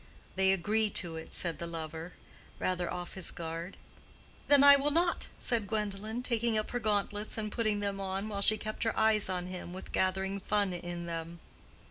"They agree to it," said the lover, rather off his guard. "Then I will not!" said Gwendolen, taking up her gauntlets and putting them on, while she kept her eyes on him with gathering fun in them.